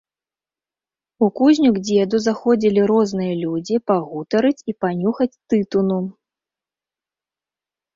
У кузню к дзеду заходзілі розныя людзі пагутарыць і панюхаць тытуну.